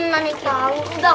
udah udah udah